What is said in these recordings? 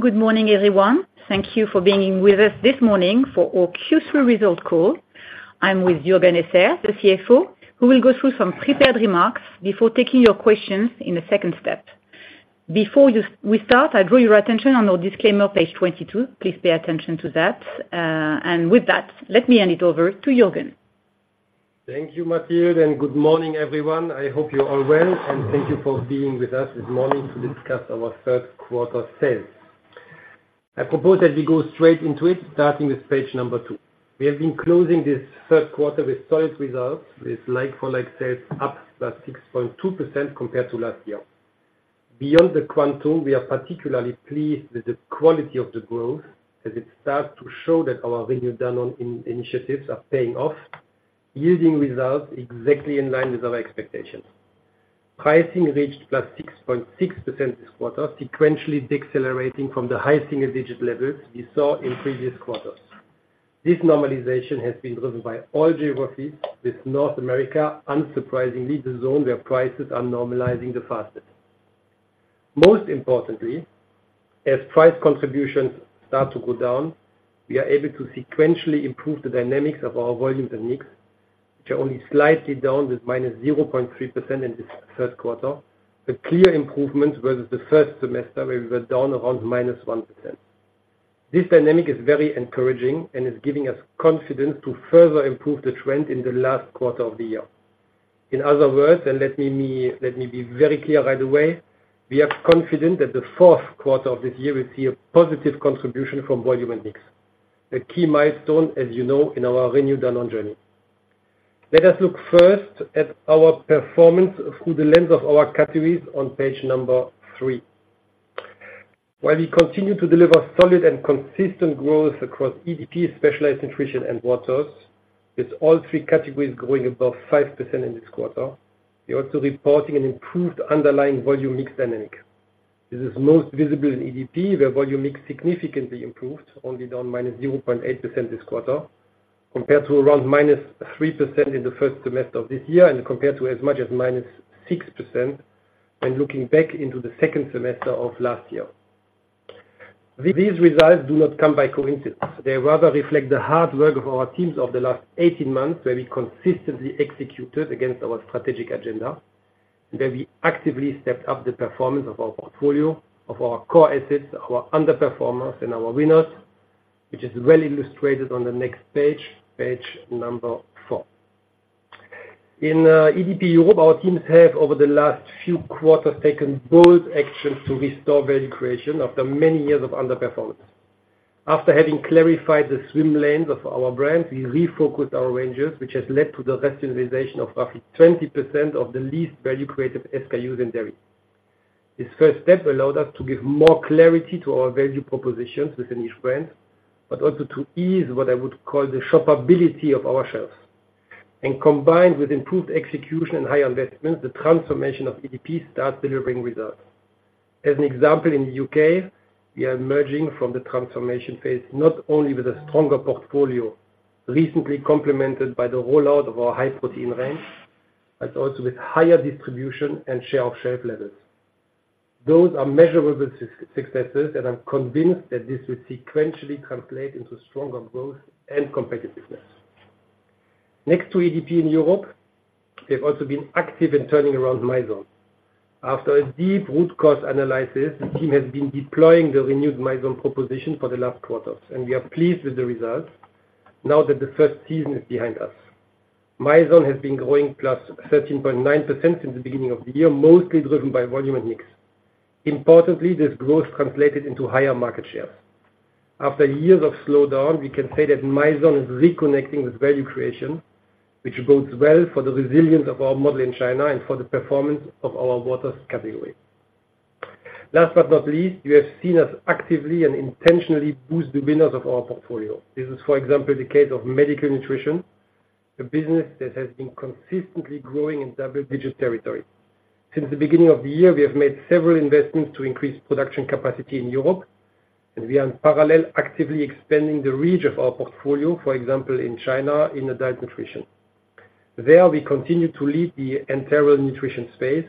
Good morning, everyone. Thank you for being with us this morning for our Q3 Result Call. I'm with Jürgen Esser, the CFO, who will go through some prepared remarks before taking your questions in the second step. Before we start, I draw your attention to our disclaimer, page 22. Please pay attention to that. And with that, let me hand it over to Jürgen. Thank you, Mathilde, and good morning, everyone. I hope you're all well, and thank you for being with us this morning to discuss our Q3 sales. I propose that we go straight into it, starting with page number 2. We have been closing this Q3 with solid results, with like-for-like sales up by 6.2% compared to last year. Beyond the quantum, we are particularly pleased with the quality of the growth, as it starts to show that our Renew Danone initiatives are paying off, yielding results exactly in line with our expectations. Pricing reached +6.6% this quarter, sequentially decelerating from the high single digit levels we saw in previous quarters. This normalization has been driven by all geographies, with North America, unsurprisingly, the zone where prices are normalizing the fastest. Most importantly, as price contributions start to go down, we are able to sequentially improve the dynamics of our volume and mix, which are only slightly down with -0.3% in this Q3. A clear improvement versus the first semester, where we were down around -1%. This dynamic is very encouraging and is giving us confidence to further improve the trend in the last quarter of the year. In other words, and let me, let me be very clear right away, we are confident that the Q4 of this year will see a positive contribution from volume and mix, a key milestone, as you know, in our Renew Danone journey. Let us look first at our performance through the lens of our categories on page 3. While we continue to deliver solid and consistent growth across EDP, Specialized Nutrition, and Waters, with all three categories growing above 5% in this quarter, we are also reporting an improved underlying volume mix dynamic. This is most visible in EDP, where volume mix significantly improved, only down -0.8% this quarter, compared to around -3% in the first semester of this year, and compared to as much as -6% when looking back into the second semester of last year. These results do not come by coincidence. They rather reflect the hard work of our teams over the last 18 months, where we consistently executed against our strategic agenda, where we actively stepped up the performance of our portfolio, of our core assets, our underperformers, and our winners, which is well illustrated on the next page, page 4. In EDP Europe, our teams have, over the last few quarters, taken bold actions to restore value creation after many years of underperformance. After having clarified the swim lanes of our brands, we refocused our ranges, which has led to the rationalization of roughly 20% of the least value creative SKUs in dairy. This first step allowed us to give more clarity to our value propositions within each brand, but also to ease what I would call the shoppability of our shelves. Combined with improved execution and high investments, the transformation of EDP starts delivering results. As an example, in the UK, we are emerging from the transformation phase, not only with a stronger portfolio, recently complemented by the rollout of our high protein range, but also with higher distribution and share of shelf levels. Those are measurable successes, and I'm convinced that this will sequentially translate into stronger growth and competitiveness. Next to EDP in Europe, we have also been active in turning around Mizone. After a deep root cause analysis, the team has been deploying the renewed Mizone proposition for the last quarters, and we are pleased with the results now that the first season is behind us. Mizone has been growing +13.9% since the beginning of the year, mostly driven by volume and mix. Importantly, this growth translated into higher market shares. After years of slowdown, we can say that Mizone is reconnecting with value creation, which bodes well for the resilience of our model in China and for the performance of our waters category. Last but not least, you have seen us actively and intentionally boost the winners of our portfolio. This is, for example, the case of Medical Nutrition, a business that has been consistently growing in double-digit territory. Since the beginning of the year, we have made several investments to increase production capacity in Europe, and we are in parallel, actively expanding the reach of our portfolio, for example, in China, in adult nutrition. There, we continue to lead the enteral nutrition space,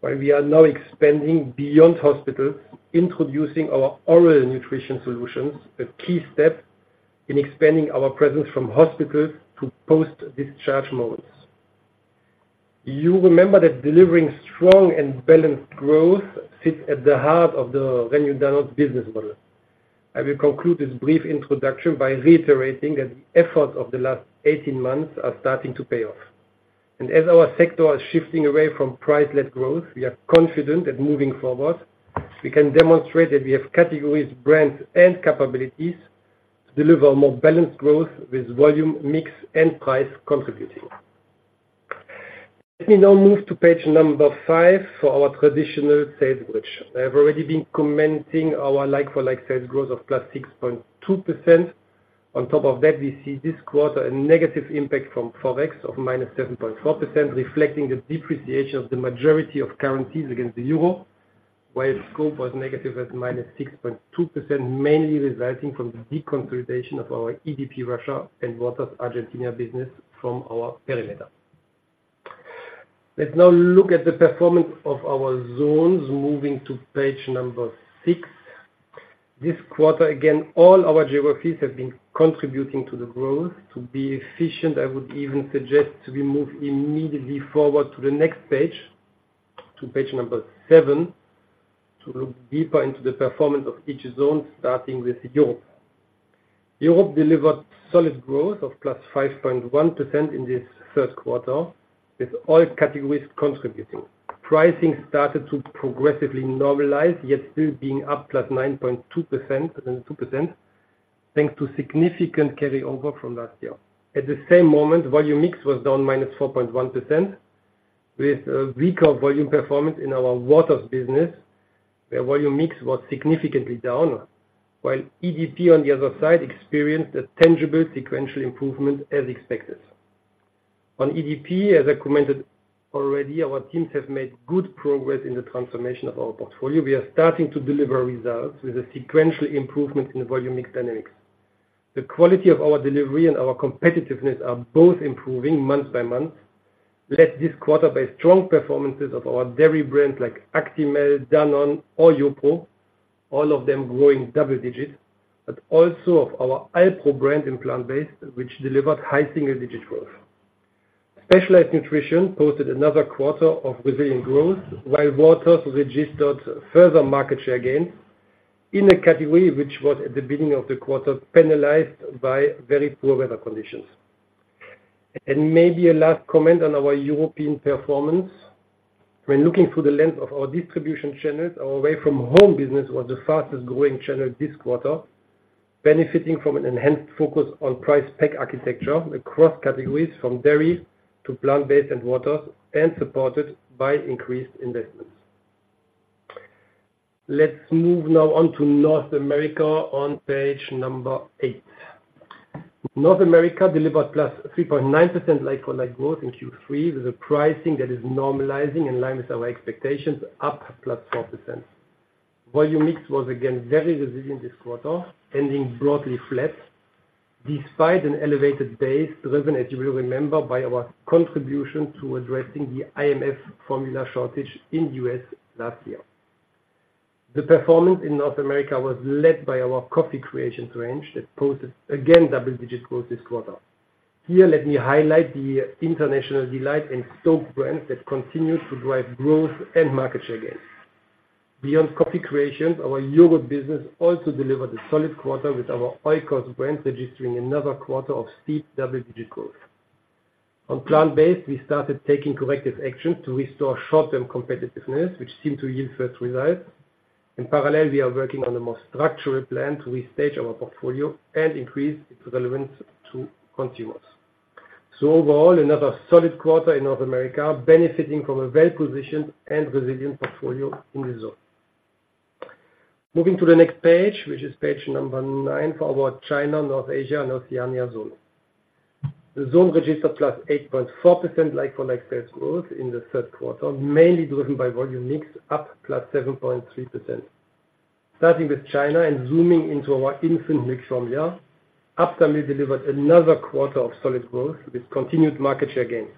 while we are now expanding beyond hospitals, introducing our oral nutrition solutions, a key step in expanding our presence from hospitals to post-discharge modes. You remember that delivering strong and balanced growth sits at the heart of the Renew Danone business model. I will conclude this brief introduction by reiterating that the efforts of the last 18 months are starting to pay off. As our sector is shifting away from price-led growth, we are confident that moving forward, we can demonstrate that we have categories, brands, and capabilities to deliver more balanced growth with volume, mix, and price contributing. Let me now move to page 5 for our traditional sales bridge. I have already been commenting our like-for-like sales growth of +6.2%. On top of that, we see this quarter a negative impact from Forex of -7.4%, reflecting the depreciation of the majority of currencies against the euro, while scope was negative at -6.2%, mainly resulting from the deconsolidation of our EDP Russia and Waters Argentina business from our perimeter. Let's now look at the performance of our zones, moving to page 6. This quarter, again, all our geographies have been contributing to the growth. To be efficient, I would even suggest we move immediately forward to the next page, to page 7, to look deeper into the performance of each zone, starting with Europe. Europe delivered solid growth of +5.1% in this Q3, with all categories contributing. Pricing started to progressively normalize, yet still being up +9.2%, down 2%, thanks to significant carryover from last year. At the same moment, volume mix was down -4.1%, with a weaker volume performance in our waters business, where volume mix was significantly down, while EDP, on the other side, experienced a tangible sequential improvement as expected. On EDP, as I commented already, our teams have made good progress in the transformation of our portfolio. We are starting to deliver results with a sequential improvement in the volume mix dynamics. The quality of our delivery and our competitiveness are both improving month-by-month, led this quarter by strong performances of our dairy brands like Actimel, Danone, or YoPRO, all of them growing double digits, but also of our Alpro brand in plant-based, which delivered high single-digit growth. Specialized Nutrition posted another quarter of resilient growth, while waters registered further market share gains in a category which was, at the beginning of the quarter, penalized by very poor weather conditions. Maybe a last comment on our European performance. When looking through the lens of our distribution channels, our away-from-home business was the fastest growing channel this quarter, benefiting from an enhanced focus on price-pack architecture across categories from dairy to plant-based and water, and supported by increased investments. Let's move now on to North America on page number 8. North America delivered +3.9% like-for-like growth in Q3, with a pricing that is normalizing in line with our expectations, up +4%. Volume mix was again very resilient this quarter, ending broadly flat, despite an elevated base, driven, as you will remember, by our contribution to addressing the IMF formula shortage in the U.S. last year. The performance in North America was led by our Coffee Creations range, that posted again double-digit growth this quarter. Here, let me highlight the International Delight and STōK brands that continued to drive growth and market share gains. Beyond Coffee Creations, our yogurt business also delivered a solid quarter with our Oikos brands, registering another quarter of steep double-digit growth. On plant-based, we started taking corrective actions to restore short-term competitiveness, which seemed to yield first results. In parallel, we are working on a more structural plan to restage our portfolio and increase its relevance to consumers. So overall, another solid quarter in North America, benefiting from a well-positioned and resilient portfolio in the zone. Moving to the next page, which is page number 9, for our China, North Asia, and Oceania zone. The zone registered +8.4% like-for-like sales growth in the Q3, mainly driven by volume mix, up +7.3%. Starting with China and zooming into our infant milk formula, Aptamil delivered another quarter of solid growth with continued market share gains.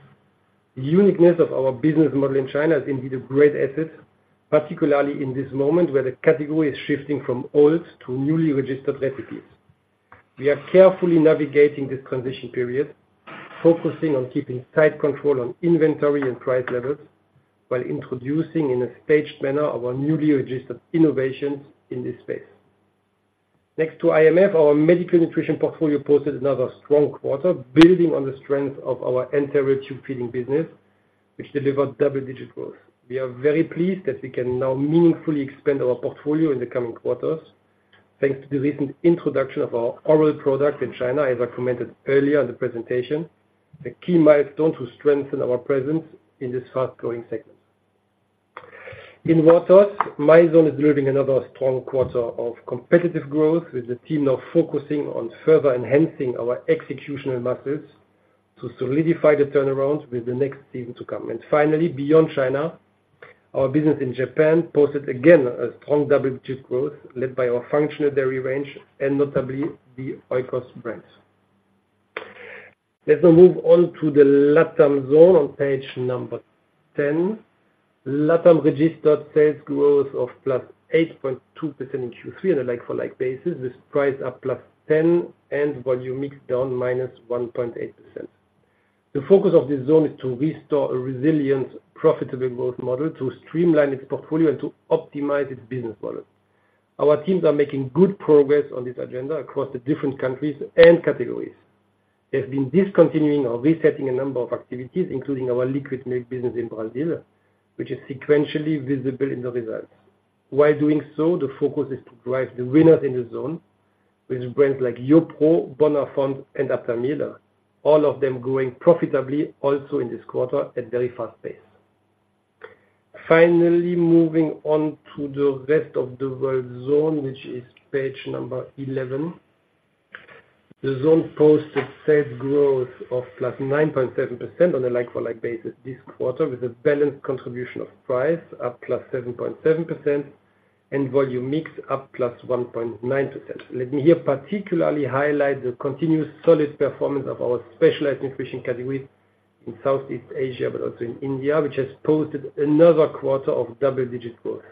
The uniqueness of our business model in China is indeed a great asset, particularly in this moment, where the category is shifting from old to newly registered recipes. We are carefully navigating this transition period, focusing on keeping tight control on inventory and price levels, while introducing, in a staged manner, our newly registered innovations in this space. Next to IMF, our medical nutrition portfolio posted another strong quarter, building on the strength of our enteral tube feeding business, which delivered double-digit growth. We are very pleased that we can now meaningfully expand our portfolio in the coming quarters, thanks to the recent introduction of our oral product in China, as I commented earlier in the presentation, a key milestone to strengthen our presence in this fast-growing segment. In Waters, Mizone is delivering another strong quarter of competitive growth, with the team now focusing on further enhancing our executional muscles to solidify the turnaround with the next season to come. Finally, beyond China, our business in Japan posted again a strong double-digit growth led by our functional dairy range and notably the Oikos brands. Let's now move on to the LATAM zone on page 10. LATAM registered sales growth of +8.2% in Q3 on a like-for-like basis, with price up +10%, and volume mix down -1.8%. The focus of this zone is to restore a resilient, profitable growth model, to streamline its portfolio, and to optimize its business model. Our teams are making good progress on this agenda across the different countries and categories. They have been discontinuing or resetting a number of activities, including our liquid milk business in Brazil, which is sequentially visible in the results. While doing so, the focus is to drive the winners in the zone with brands like YoPRO, Bonafont, and Aptamil, all of them growing profitably, also in this quarter, at very fast pace. Finally, moving on to the rest of the world zone, which is page 11. The zone posted sales growth of +9.7% on a like-for-like basis this quarter, with a balanced contribution of price, up +7.7%, and volume mix up +1.9%. Let me here particularly highlight the continuous solid performance of our specialized nutrition category in Southeast Asia, but also in India, which has posted another quarter of double-digit growth.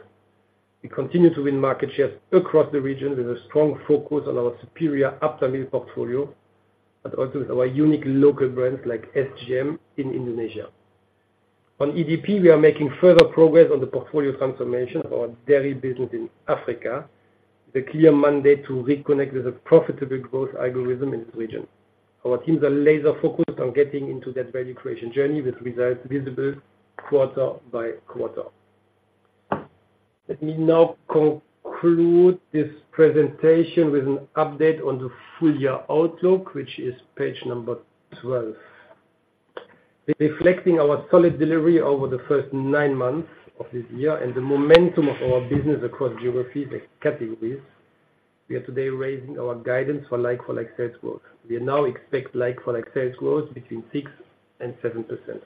We continue to win market shares across the region with a strong focus on our superior portfolio, but also with our unique local brands like SGM in Indonesia. On EDP, we are making further progress on the portfolio transformation of our dairy business in Africa, the clear mandate to reconnect with a profitable growth algorithm in this region. Our teams are laser focused on getting into that value creation journey, with results visible quarter by quarter. Let me now conclude this presentation with an update on the full-year outlook, which is page 12. Reflecting our solid delivery over the first 9 months of this year, and the momentum of our business across geographies and categories, we are today raising our guidance for like-for-like sales growth. We now expect like-for-like sales growth between 6% and 7%.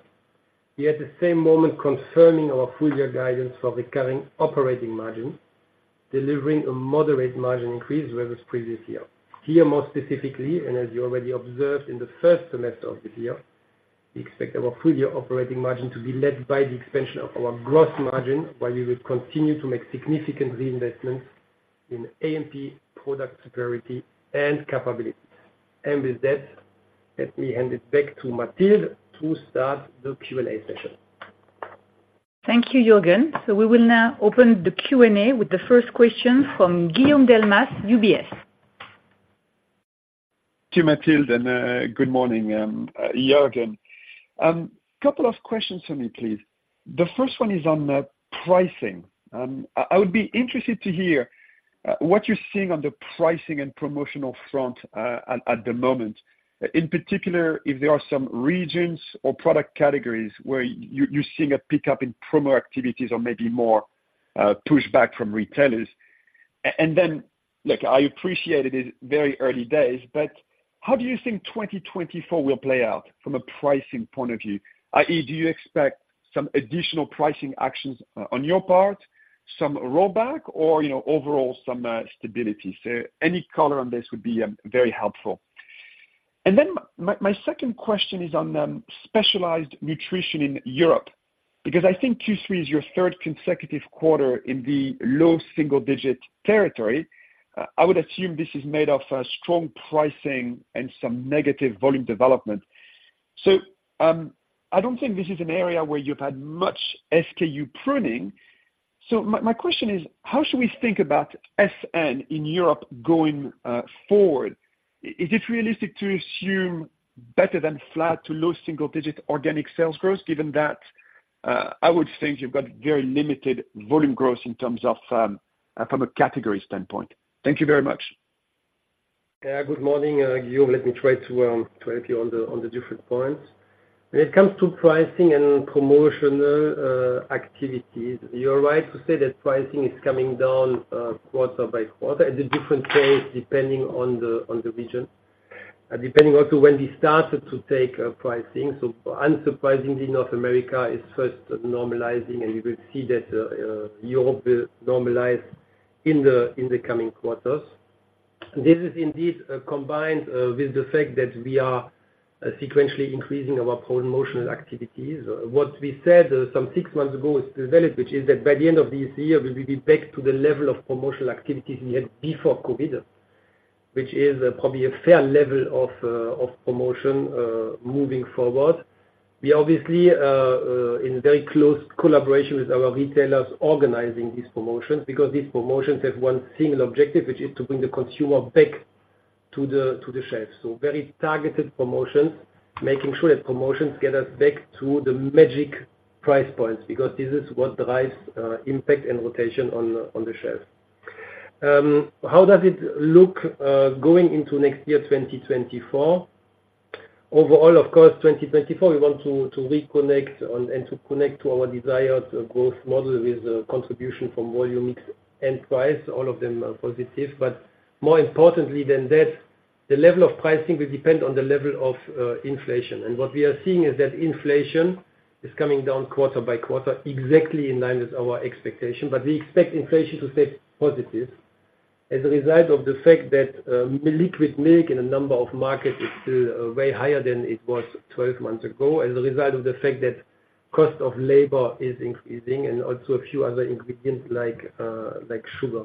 We, at the same moment, confirming our full-year guidance for recurring operating margin, delivering a moderate margin increase versus previous year. Here, more specifically, and as you already observed in the first semester of this year, we expect our full year operating margin to be led by the expansion of our gross margin, while we will continue to make significant reinvestments in AMP, product security, and capabilities. With that, let me hand it back to Mathilde to start the Q&A session. Thank you, Juergen. So we will now open the Q&A with the first question from Guillaume Delmas, UBS. To Mathilde, good morning, Juergen. Couple of questions for me, please. The first one is on pricing. I would be interested to hear what you're seeing on the pricing and promotional front at the moment. In particular, if there are some regions or product categories where you're seeing a pickup in promo activities or maybe more pushback from retailers. Then, look, I appreciate it is very early days, but how do you think 2024 will play out from a pricing point of view? I.e., do you expect some additional pricing actions on your part, some rollback or, you know, overall some stability? So any color on this would be very helpful. My second question is on specialized nutrition in Europe, because I think Q3 is your third consecutive quarter in the low single digit territory. I would assume this is made of strong pricing and some negative volume development. So I don't think this is an area where you've had much SKU pruning. So my question is: how should we think about SN in Europe going forward? Is it realistic to assume better than flat to low single digit organic sales growth, given that I would think you've got very limited volume growth in terms of from a category standpoint? Thank you very much. Yeah, good morning, Guillaume. Let me try to help you on the different points. When it comes to pricing and promotional activities, you're right to say that pricing is coming down quarter by quarter at a different pace, depending on the region, and depending also when we started to take pricing. So unsurprisingly, North America is first normalizing, and you will see that Europe will normalize in the coming quarters. This is indeed combined with the fact that we are sequentially increasing our promotional activities. What we said some six months ago is developed, which is that by the end of this year, we will be back to the level of promotional activities we had before COVID, which is probably a fair level of promotion moving forward. We obviously, in very close collaboration with our retailers, organizing these promotions, because these promotions have 1 single objective, which is to bring the consumer back to the shelf. So very targeted promotions, making sure that promotions get us back to the magic price points, because this is what drives impact and rotation on the shelf. How does it look going into next year, 2024? Overall, of course, 2024, we want to reconnect on, and to connect to our desired growth model with the contribution from volume and price, all of them are positive. But more importantly than that, the level of pricing will depend on the level of inflation. And what we are seeing is that inflation is coming down quarter by quarter, exactly in line with our expectation. But we expect inflation to stay positive as a result of the fact that liquid milk in a number of markets is still way higher than it was 12 months ago, as a result of the fact that cost of labor is increasing and also a few other ingredients like like sugar.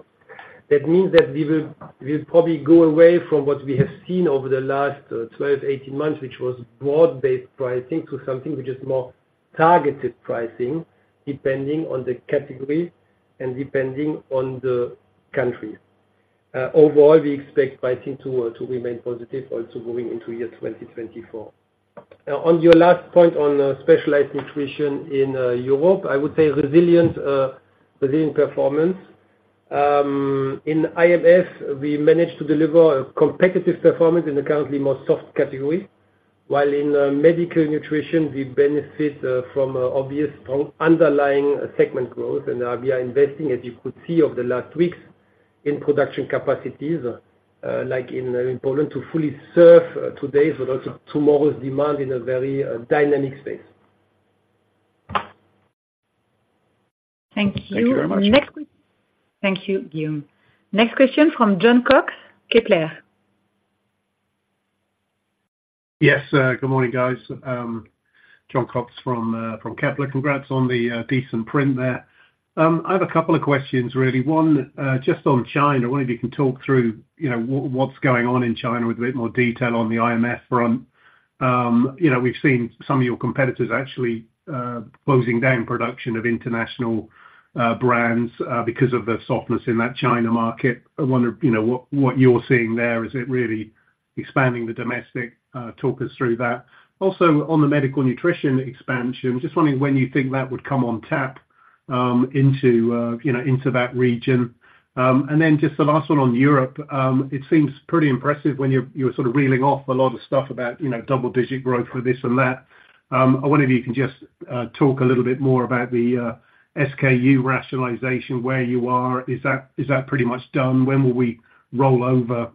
That means that we will, we'll probably go away from what we have seen over the last 12, 18 months, which was broad-based pricing, to something which is more targeted pricing, depending on the category and depending on the country. Overall, we expect pricing to remain positive also going into year 2024. On your last point on Specialized Nutrition in Europe, I would say resilient, resilient performance. In IMF, we managed to deliver a competitive performance in the currently more soft category, while in medical nutrition, we benefit from obvious strong underlying segment growth. We are investing, as you could see over the last weeks, in production capacities, like in Poland, to fully serve today, but also tomorrow's demand in a very dynamic space. Thank you. Thank you very much. Thank you, Guillaume. Next question from John Cox, Kepler. Yes, good morning, guys. Jon Cox from Kepler. Congrats on the decent print there. I have a couple of questions, really. One, just on China, I wonder if you can talk through, you know, what's going on in China with a bit more detail on the IMF front. You know, we've seen some of your competitors actually closing down production of international brands because of the softness in that China market. I wonder, you know, what you're seeing there, is it really expanding the domestic? Talk us through that. Also, on the medical nutrition expansion, just wondering when you think that would come on tap into that region. And then just the last one on Europe, it seems pretty impressive when you're sort of reeling off a lot of stuff about, you know, double-digit growth with this and that. I wonder if you can just talk a little bit more about the SKU rationalization, where you are. Is that pretty much done? When will we roll over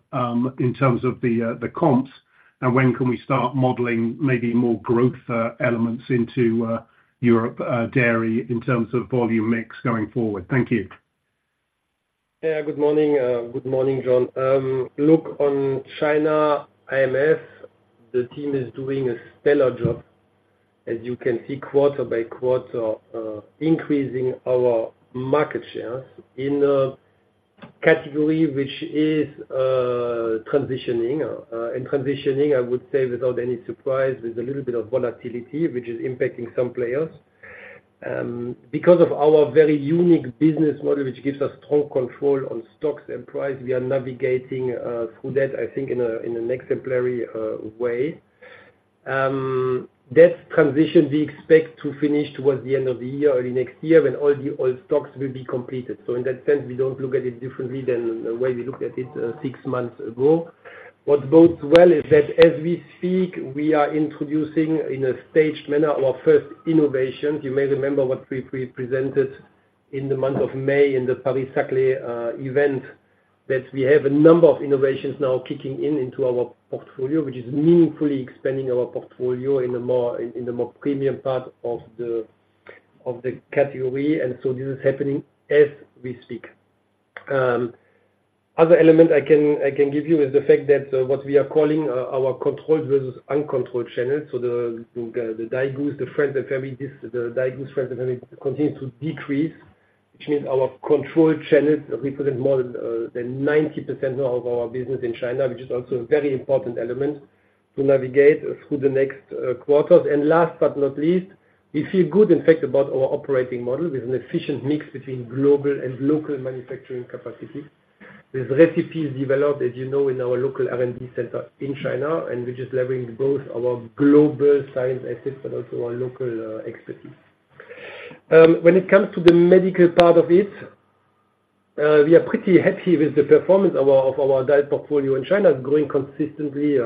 in terms of the comps, and when can we start modeling maybe more growth elements into Europe dairy in terms of volume mix going forward? Thank you. Yeah, good morning, good morning, John. Look, on China IMF, the team is doing a stellar job. As you can see, quarter by quarter, increasing our market shares in a category which is transitioning, and transitioning, I would say, without any surprise, there's a little bit of volatility which is impacting some players. Because of our very unique business model, which gives us total control on stocks and price, we are navigating through that, I think, in a, in an exemplary way. That transition, we expect to finish towards the end of the year or the next year when all the old stocks will be completed. So in that sense, we don't look at it differently than the way we looked at it six months ago. What bodes well is that as we speak, we are introducing, in a staged manner, our first innovation. You may remember what we pre-presented in the month of May in the Paris-Saclay event, that we have a number of innovations now kicking in into our portfolio, which is meaningfully expanding our portfolio in the more premium part of the category, and so this is happening as we speak. Other element I can give you is the fact that what we are calling our controlled versus uncontrolled channels, so the Daigou friend and family continues to decrease, which means our controlled channels represent more than 90% of our business in China, which is also a very important element to navigate through the next quarters. Last but not least, we feel good, in fact, about our operating model with an efficient mix between global and local manufacturing capacities. These recipes developed, as you know, in our local R&D center in China, and which is levering both our global science assets but also our local expertise. When it comes to the medical part of it, we are pretty happy with the performance of our diet portfolio in China, growing consistently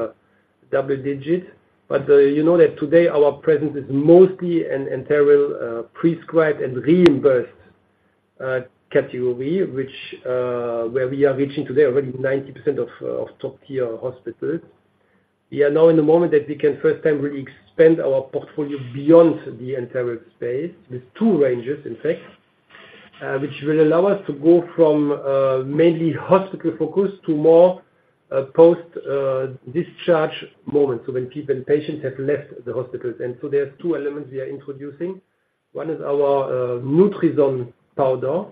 double digits. But you know that today our presence is mostly an enteral prescribed and reimbursed category, which where we are reaching today already 90% of top-tier hospitals. We are now in the moment that we can first time really expand our portfolio beyond the enteral space with two ranges, in fact, which will allow us to go from mainly hospital-focused to more post discharge moments, so when patients have left the hospitals. And so there are two elements we are introducing. One is our Nutrizon powder,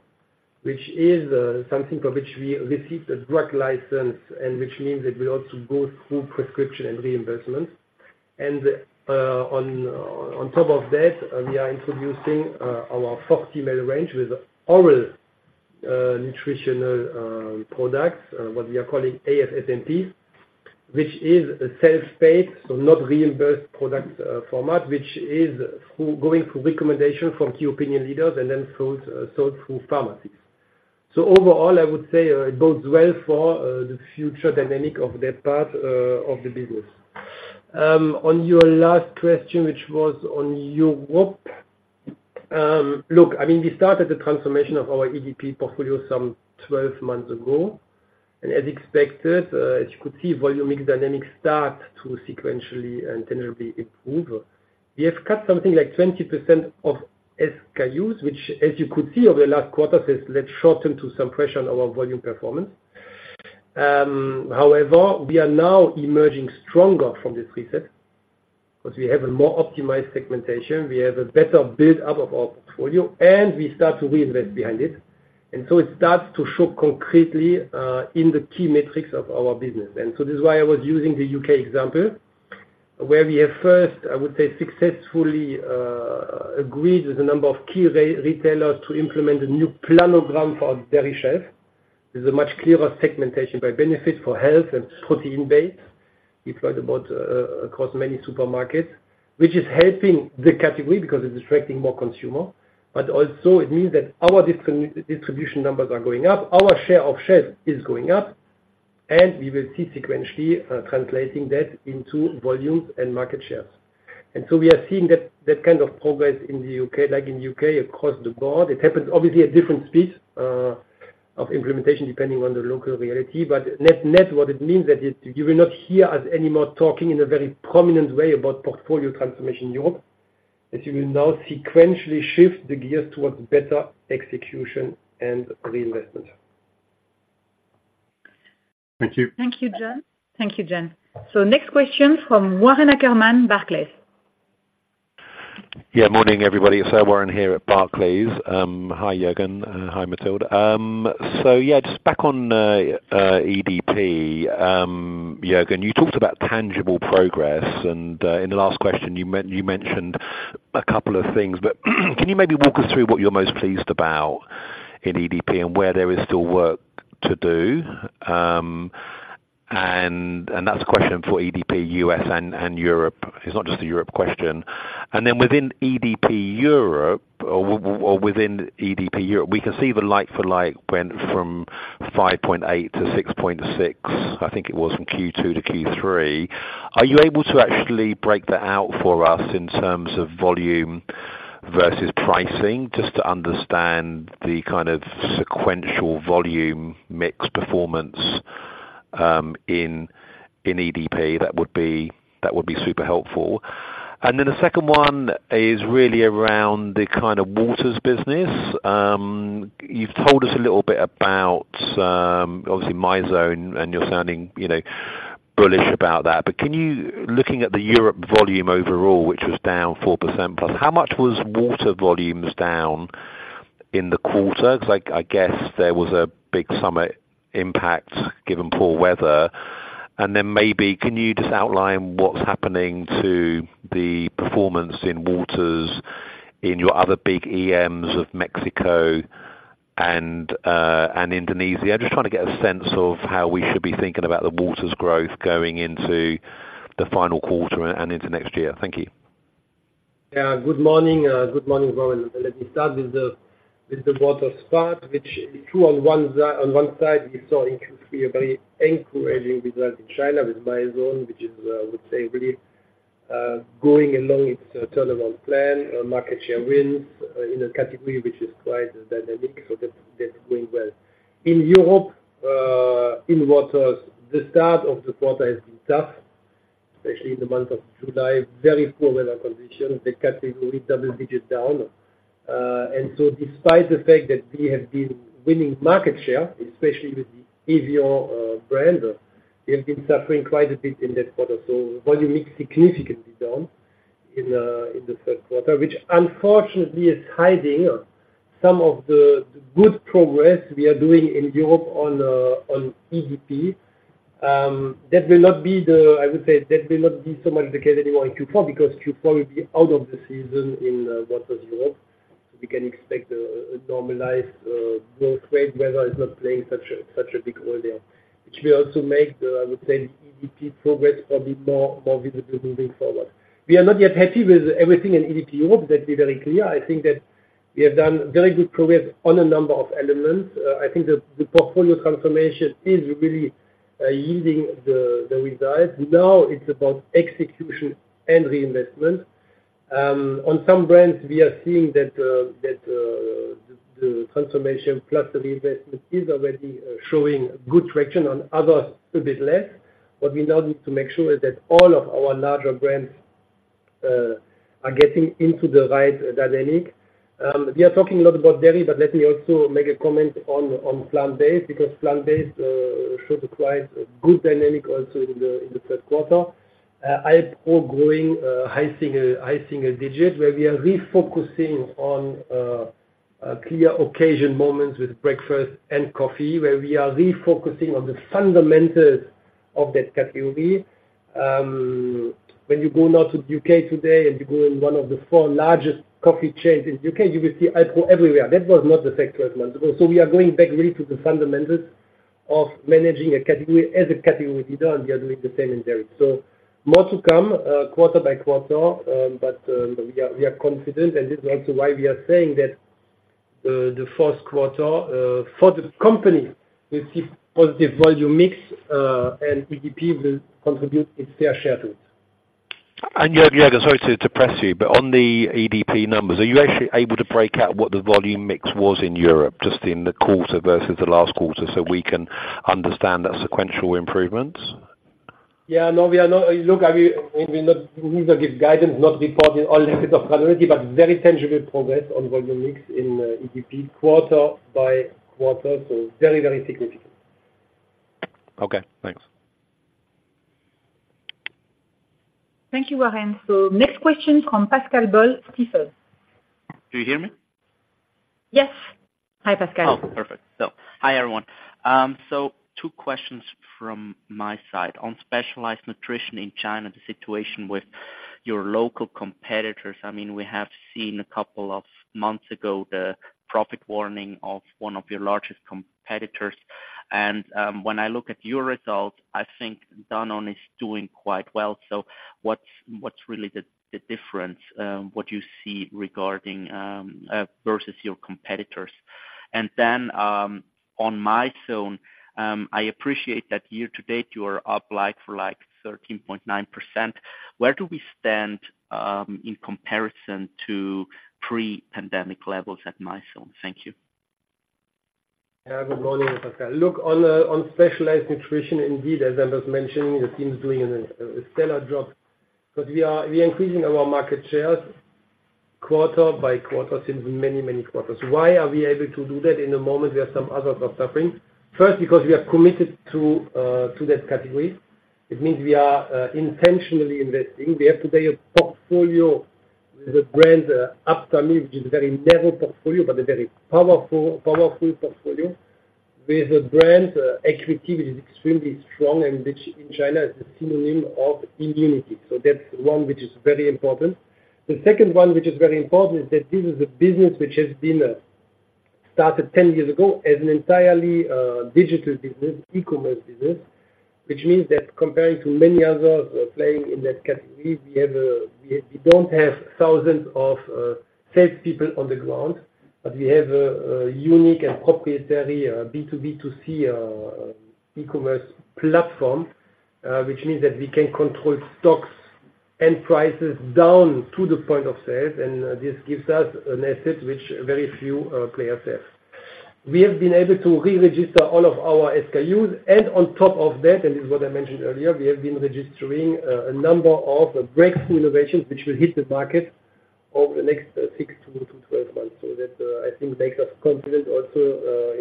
which is something for which we received a drug license, and which means that we also go through prescription and reimbursement. And on top of that, we are introducing our Fortimel range with oral nutritional products, what we are calling ASMP, which is a self-paid, so not reimbursed product format, which is through going through recommendation from key opinion leaders and then through sold through pharmacies. So overall, I would say, it bodes well for the future dynamic of that part of the business. On your last question, which was on Europe, look, I mean, we started the transformation of our EDP portfolio some 12 months ago. And as expected, as you could see, volume mix dynamics start to sequentially and generally improve. We have cut something like 20% of SKUs, which, as you could see over the last quarter, has led short-term to some pressure on our volume performance. However, we are now emerging stronger from this reset, because we have a more optimized segmentation, we have a better build-up of our portfolio, and we start to reinvest behind it. And so it starts to show concretely in the key metrics of our business. And so this is why I was using the U.K. example, where we have first, I would say, successfully agreed with a number of key retailers to implement a new planogram for our dairy shelf. There's a much clearer segmentation by benefit for health and protein base. You find about across many supermarkets, which is helping the category, because it's attracting more consumer, but also it means that our distribution numbers are going up, our share of shelf is going up, and we will see sequentially translating that into volumes and market shares. And so we are seeing that, that kind of progress in the U.K., like in U.K., across the board. It happens obviously at different speeds of implementation, depending on the local reality. But net, net, what it means that you, you will not hear us anymore talking in a very prominent way about portfolio transformation in Europe, that you will now sequentially shift the gears towards better execution and reinvestment. Thank you. Thank you, John. Thank you, Jen. So next question from Warren Ackerman, Barclays. Yeah, morning, everybody. It's Warren here at Barclays. Hi, Juergen, and hi, Mathilde. So yeah, just back on EDP. Juergen, you talked about tangible progress, and in the last question you mentioned a couple of things, but can you maybe walk us through what you're most pleased about in EDP and where there is still work to do? And that's a question for EDP, U.S, and Europe. It's not just a Europe question. And then within EDP Europe, or within EDP Europe, we can see the like-for-like went from 5.8% to 6.6%, I think it was, from Q2 to Q3. Are you able to actually break that out for us in terms of volume versus pricing, just to understand the kind of sequential volume, mix, performance in EDP? That would be, that would be super helpful. And then the second one is really around the kind of waters business. You've told us a little bit about, obviously, Mizone, and you're sounding, you know, bullish about that. But can you, looking at the Europe volume overall, which was down 4%+, how much was water volumes down in the quarter? 'Cause I guess there was a big summer impact, given poor weather. And then maybe, can you just outline what's happening to the performance in waters in your other big EMs of Mexico and and Indonesia? I'm just trying to get a sense of how we should be thinking about the waters growth going into the final quarter and into next year. Thank you. Yeah, good morning. Good morning, Warren. Let me start with the waters part, which, true, on one side, we saw in Q3 a very encouraging result in China with Mizone, which is, I would say, really going along its turnaround plan, market share wins in a category which is quite dynamic, so that's going well. In Europe, in waters, the start of the quarter has been tough, especially in the month of July. Very poor weather conditions, the category double digits down. And so despite the fact that we have been winning market share, especially with the evian brand, we have been suffering quite a bit in that quarter. So volume is significantly down in the Q3, which unfortunately is hiding some of the good progress we are doing in Europe on EDP. That will not be, I would say, so much the case anymore in Q4, because Q4 will be out of the season in Waters Europe. We can expect a normalized growth rate. Weather is not playing such a big role there. Which will also make the, I would say, EDP progress a bit more visible moving forward. We are not yet happy with everything in EDP Europe, let's be very clear. I think that we have done very good progress on a number of elements. I think the portfolio transformation is really yielding the results. Now, it's about execution and reinvestment. On some brands, we are seeing that, that, the transformation plus the reinvestment is already showing good traction, on others, a bit less. But we now need to make sure that all of our larger brands are getting into the right dynamic. We are talking a lot about dairy, but let me also make a comment on plant-based, because plant-based showed quite good dynamic also in the Q3. HiPRO growing high single, high single digits, where we are refocusing on a clear occasion moments with breakfast and coffee, where we are refocusing on the fundamentals of that category. When you go now to the UK today, and you go in one of the Q4 largest coffee chains in UK, you will see HiPRO everywhere. That was not the case 12 months ago. So we are going back really to the fundamentals of managing a category, as a category leader, and we are doing the same in dairy. So more to come, quarter by quarter, but we are confident, and this is also why we are saying that the Q4 for the company, we see positive volume mix, and EDP will contribute its fair share to it. Juergen, sorry to press you, but on the EDP numbers, are you actually able to break out what the volume mix was in Europe, just in the quarter versus the last quarter, so we can understand that sequential improvements? Yeah, no, we are not. Look, I mean, we not, neither give guidance, not report in all levels of granularity, but very tangible progress on volume mix in EDP quarter by quarter, so very, very significant. Okay, thanks. Thank you, Warren. Next question from Pascal Boll, Stifel. Do you hear me? Yes. Hi, Pascal. Oh, perfect. So hi, everyone. So two questions from my side. On Specialized Nutrition in China, the situation with your local competitors, I mean, we have seen a couple of months ago, the profit warning of one of your largest competitors. And, when I look at your results, I think Danone is doing quite well. So what's really the difference what you see regarding versus your competitors? And then, on Mizone, I appreciate that year to date, you are up like-for-like 13.9%. Where do we stand in comparison to pre-pandemic levels at Mizone? Thank you.... Yeah, good morning, Pascal. Look, on Specialized Nutrition, indeed, as I was mentioning, the team is doing a stellar job. But we are increasing our market shares quarter by quarter since many, many quarters. Why are we able to do that in the moment where some others are suffering? First, because we are committed to that category. It means we are intentionally investing. We have today a portfolio with a brand, Aptamil, which is a very narrow portfolio, but a very powerful, powerful portfolio. With brand equity, which is extremely strong and which in China is a synonym of immunity. So that's one which is very important. The second one, which is very important, is that this is a business which has been started 10 years ago as an entirely digital business, e-commerce business. Which means that comparing to many others playing in that category, we don't have thousands of salespeople on the ground, but we have a unique and proprietary B2B2C e-commerce platform. Which means that we can control stocks and prices down to the point of sales, and this gives us an asset which very few players have. We have been able to re-register all of our SKUs, and on top of that, and this is what I mentioned earlier, we have been registering a number of breakthrough innovations, which will hit the market over the next 6-12 months. So that I think makes us confident also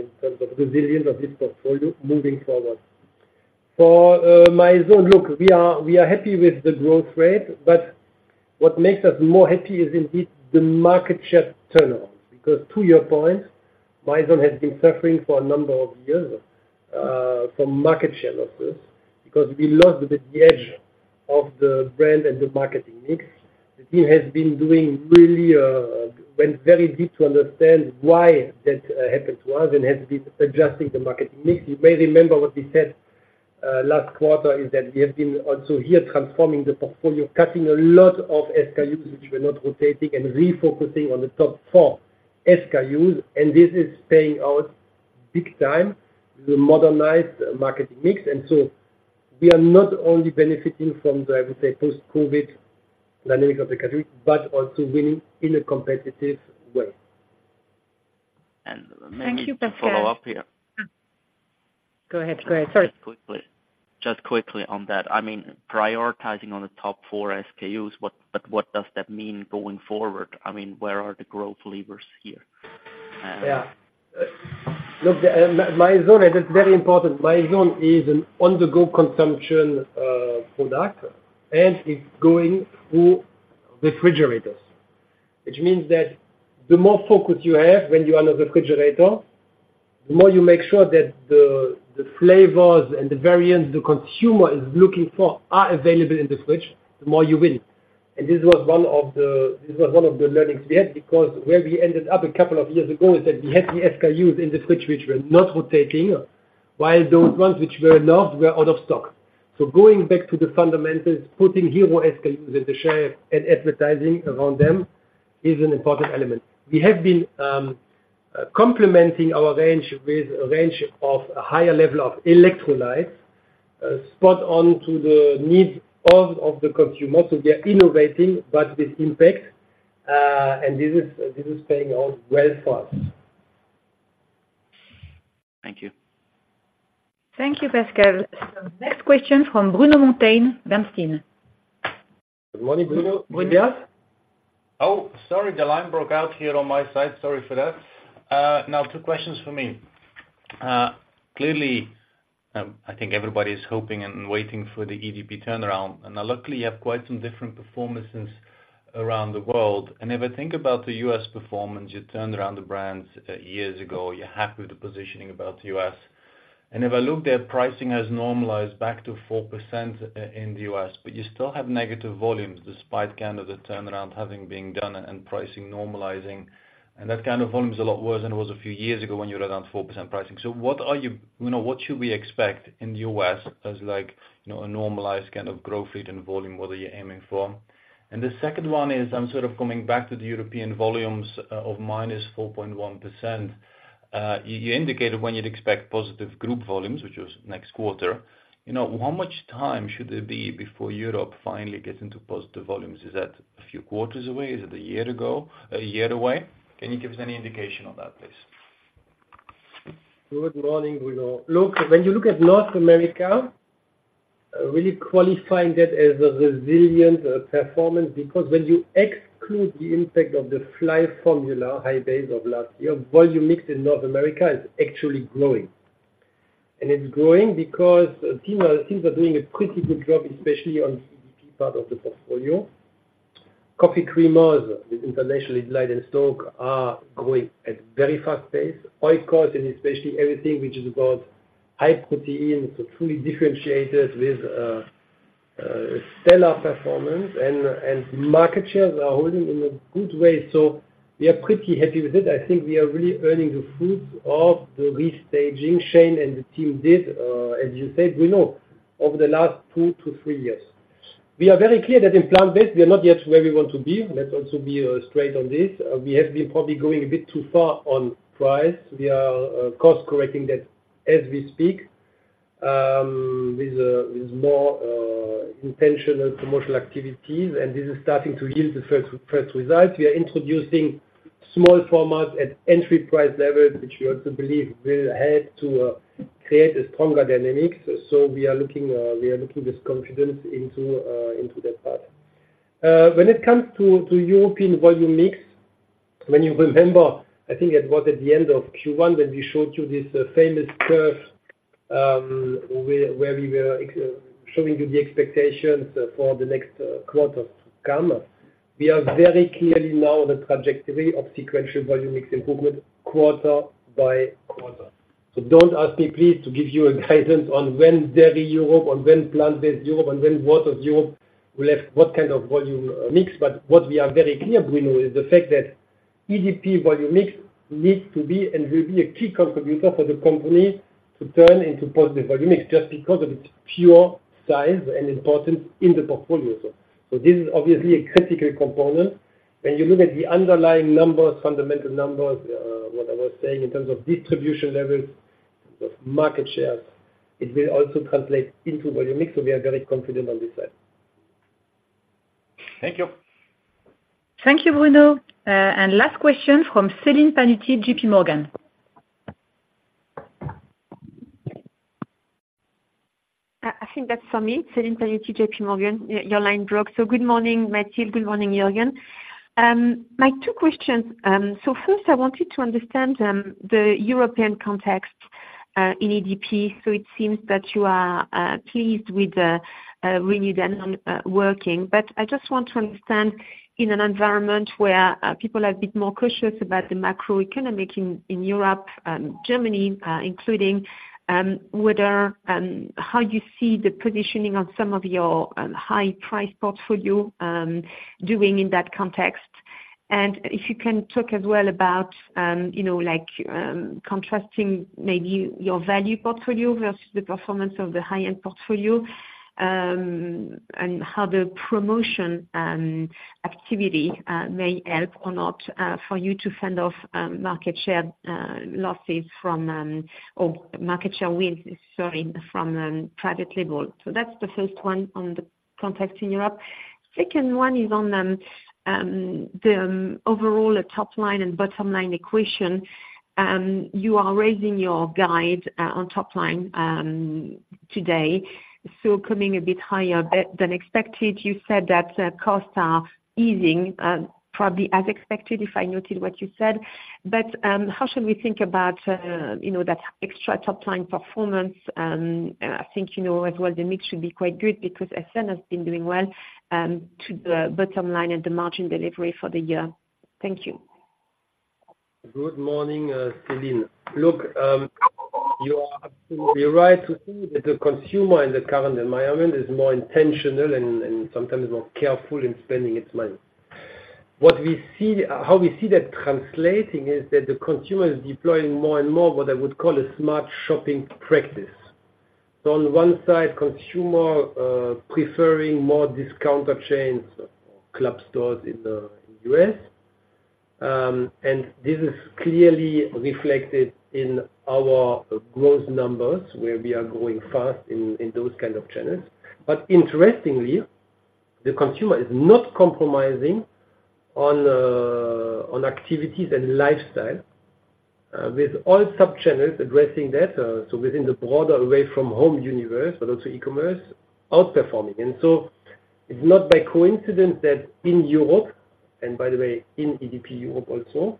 in terms of resilience of this portfolio moving forward. For my zone, look, we are, we are happy with the growth rate, but what makes us more happy is indeed the market share turnaround. Because to your point, my zone has been suffering for a number of years from market share losses, because we lost a bit the edge of the brand and the marketing mix. The team has been doing really went very deep to understand why that happened to us and has been adjusting the market mix. You may remember what we said last quarter, is that we have been also here transforming the portfolio, cutting a lot of SKUs, which were not rotating, and refocusing on the top 4 SKUs, and this is paying out big time, the modernized market mix. And so we are not only benefiting from the, I would say, post-COVID dynamic of the category, but also winning in a competitive way. May I follow up here? Thank you, Pascal. Go ahead, Greg, sorry. Just quickly, just quickly on that. I mean, prioritizing on the top 4 SKUs, what, but what does that mean going forward? I mean, where are the growth levers here? Yeah. Look, my zone is very important. My zone is an on-the-go consumption product, and it's going through refrigerators. Which means that the more focus you have when you are on a refrigerator, the more you make sure that the flavors and the variants the consumer is looking for are available in the fridge, the more you win. And this was one of the learnings we had, because where we ended up a couple of years ago, is that we had the SKUs in the fridge which were not rotating, while those ones which were not, were out of stock. So going back to the fundamentals, putting hero SKUs in the shelf and advertising around them, is an important element. We have been complementing our range with a range of a higher level of electrolytes, spot on to the needs of the consumer. So we are innovating, but with impact, and this is paying off well for us. Thank you. Thank you, Pascal. Next question from Bruno Monteyne, Bernstein. Good morning, Bruno. Are you there? Oh, sorry, the line broke out here on my side. Sorry for that. Now two questions for me. Clearly, I think everybody's hoping and waiting for the EDP turnaround, and luckily, you have quite some different performances around the world. And if I think about the U.S. performance, you turned around the brands years ago. You're happy with the positioning about U.S. And if I look at pricing has normalized back to 4% in the U.S., but you still have negative volumes despite kind of the turnaround having been done and pricing normalizing. And that kind of volume is a lot worse than it was a few years ago when you were around 4% pricing. So what are you... You know, what should we expect in the U.S. as like, you know, a normalized kind of growth rate and volume, what are you aiming for? And the second one is, I'm sort of coming back to the European volumes of -4.1%. You indicated when you'd expect positive group volumes, which was next quarter. You know, how much time should there be before Europe finally gets into positive volumes? Is that a few quarters away? Is it a year ago, a year away? Can you give us any indication on that, please? Good morning, Bruno. Look, when you look at North America, really qualifying that as a resilient performance, because when you exclude the impact of the infant formula, high base of last year, volume mix in North America is actually growing. And it's growing because teams are doing a pretty good job, especially on EDP part of the portfolio. Coffee creamers with International Delight and STōK are growing at very fast pace. Oikos, and especially everything which is about high protein, so truly differentiated with stellar performance and market shares are holding in a good way. So we are pretty happy with it. I think we are really earning the fruits of the restaging Shane and the team did, as you said, Bruno, over the 2-3 years. We are very clear that in plant-based, we are not yet where we want to be. Let's also be straight on this. We have been probably going a bit too far on price. We are course correcting that as we speak with more intentional commercial activities, and this is starting to yield the first, first results. We are introducing small formats at entry price levels, which we also believe will help to create a stronger dynamics. So we are looking, we are looking with confidence into, into that part. When it comes to European volume mix, when you remember, I think it was at the end of Q1, when we showed you this famous curve, where, where we were showing you the expectations for the next quarter to come. We are very clear now the trajectory of sequential volume mix improvement quarter by quarter. So don't ask me, please, to give you a guidance on when dairy Europe or when plant-based Europe and when water Europe will have what kind of volume, mix. But what we are very clear, Bruno, is the fact that EDP volume mix needs to be and will be a key contributor for the company to turn into positive volume mix, just because of its pure size and importance in the portfolio. So, so this is obviously a critical component. When you look at the underlying numbers, fundamental numbers, what I was saying in terms of distribution levels, of market shares, it will also translate into volume mix. So we are very confident on this side. Thank you. Thank you, Bruno. And last question from Celine Pannuti, JP Morgan. I think that's for me. Celine Pannuti, JP Morgan. Yeah, your line broke. So good morning, Mathilde, good morning, Juergen. My 2 questions, so first I wanted to understand the European context in EDP. So it seems that you are pleased with the really Danone working. But I just want to understand, in an environment where people are a bit more cautious about the macroeconomic in Europe, Germany including whether how you see the positioning on some of your high-price portfolio doing in that context. And if you can talk as well about, you know, like, contrasting maybe your value portfolio versus the performance of the high-end portfolio, and how the promotion activity may help or not, for you to fend off market share losses from, or market share wins, sorry, from private label. So that's the first one on the context in Europe. Second one is on the overall top line and bottom line equation. You are raising your guide on top line today, so coming a bit higher bit than expected. You said that costs are easing, probably as expected, if I noted what you said. But how should we think about, you know, that extra top line performance? I think you know as well, the mix should be quite good because Esser has been doing well to the bottom line and the margin delivery for the year. Thank you. Good morning, Celine. Look, you are absolutely right to think that the consumer in the current environment is more intentional and sometimes more careful in spending its money. What we see, how we see that translating is that the consumer is deploying more and more what I would call a smart shopping practice. So on one side, consumer preferring more discounter chains, club stores in the U.S., and this is clearly reflected in our growth numbers, where we are growing fast in those kind of channels. But interestingly, the consumer is not compromising on activities and lifestyle with all sub-channels addressing that, so within the broader away from home universe, but also e-commerce outperforming. And so it's not by coincidence that in Europe, and by the way, in EDP Europe also,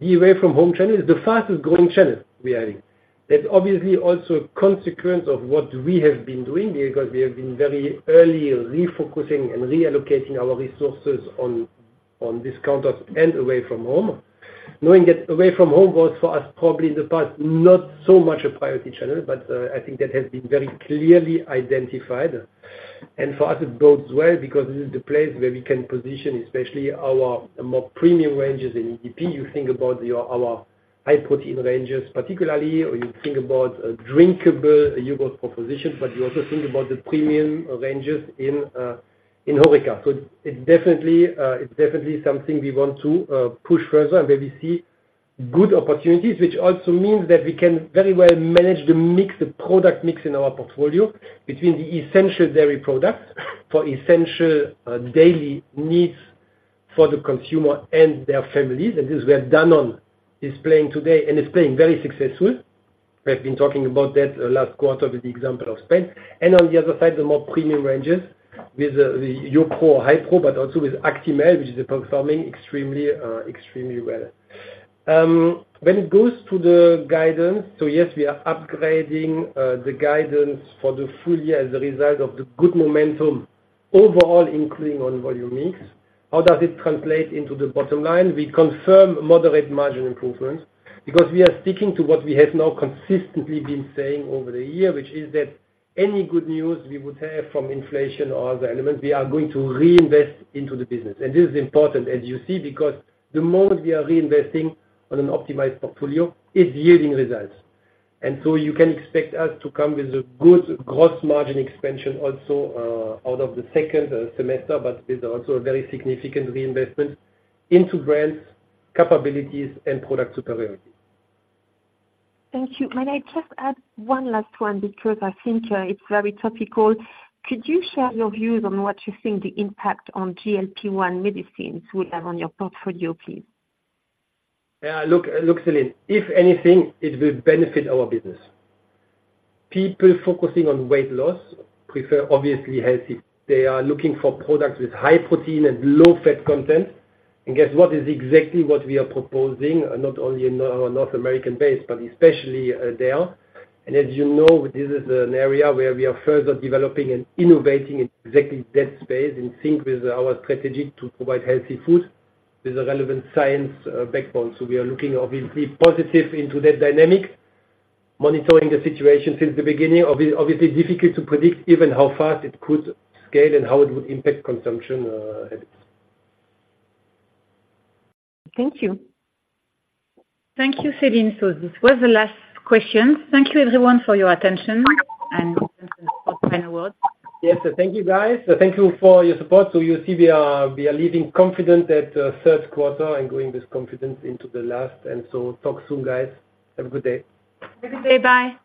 the away from home channel is the fastest growing channel we are in. That's obviously also a consequence of what we have been doing here, because we have been very early refocusing and reallocating our resources on, on discounters and away from home. Knowing that away from home was, for us, probably in the past, not so much a priority channel, but, I think that has been very clearly identified. And for us, it bodes well because this is the place where we can position, especially our more premium ranges in EDP. You think about your, our high-protein ranges particularly, or you think about a drinkable yogurt proposition, but you also think about the premium ranges in, in HORECA. So it's definitely, it's definitely something we want to push further and where we see good opportunities, which also means that we can very well manage the mix, the product mix in our portfolio between the essential dairy products for essential, daily needs for the consumer and their families. And this we are Danone is playing today and is playing very successful. We have been talking about that last quarter with the example of Spain. And on the other side, the more premium ranges with, the YoPro or HiPRO, but also with Actimel, which is performing extremely, extremely well. When it goes to the guidance, so yes, we are upgrading, the guidance for the full year as a result of the good momentum overall, including on volume mix. How does it translate into the bottom line? We confirm moderate margin improvement because we are sticking to what we have now consistently been saying over the year, which is that any good news we would have from inflation or other elements, we are going to reinvest into the business. This is important, as you see, because the more we are reinvesting on an optimized portfolio, it's yielding results. So you can expect us to come with a good gross margin expansion also out of the second semester, but with also a very significant reinvestment into brands, capabilities, and product superiority. Thank you. May I just add one last one, because I think it's very topical. Could you share your views on what you think the impact on GLP-1 medicines will have on your portfolio, please? Yeah, look, look, Celine, if anything, it will benefit our business. People focusing on weight loss prefer, obviously, healthy. They are looking for products with high protein and low fat content, and guess what? It's exactly what we are proposing, not only in our North American base, but especially there. And as you know, this is an area where we are further developing and innovating in exactly that space, in sync with our strategy to provide healthy food with a relevant science backbone. So we are looking obviously positive into that dynamic, monitoring the situation since the beginning. Obviously, difficult to predict even how fast it could scale and how it would impact consumption. Thank you. Thank you, Celine. This was the last question. Thank you everyone for your attention and for your kind words. Yes, thank you, guys. Thank you for your support. So you see, we are leaving confident at Q3 and going with confidence into the last. So talk soon, guys. Have a good day. Have a good day. Bye.